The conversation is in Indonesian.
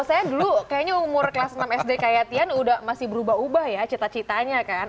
saya dulu kayaknya umur kelas enam sd kayak tian udah masih berubah ubah ya cita citanya kan